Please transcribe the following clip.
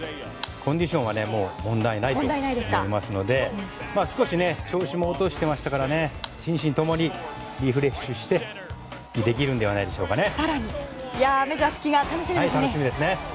コンディションは問題ないと思いますので少し調子も落としていましたから心身ともにリフレッシュして復帰できるのではないでしょうかね。